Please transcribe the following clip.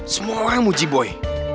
semua orang muji boy